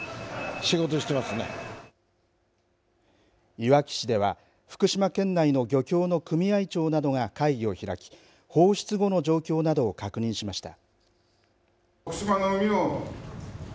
いわき市では福島県内の漁協の組合長などが会議を開き、放出後の状況などを確認しました。